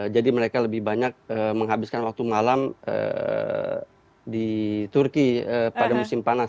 jadi mereka lebih banyak menghabiskan waktu malam di turki pada musim panas